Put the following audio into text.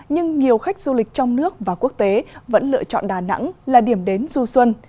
nhưng nhiều khách du lịch trong nước và quốc tế vẫn lựa chọn đà nẵng là điểm đến du xuân